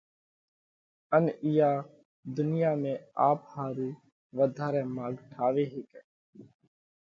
ان ايئا ڌُنيا ۾ آپ ۿارُو وڌارئہ ماڳ ٺاوي هيڪئه۔